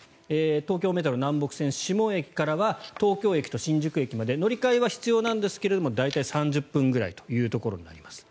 東京メトロ南北線志茂駅は東京駅と新宿駅からは乗り換えは必要なんですが大体３０分ぐらいというところになります。